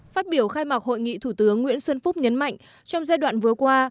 phát biểu khai mạc hội nghị thủ tướng nguyễn xuân phúc nhấn mạnh trong giai đoạn vừa qua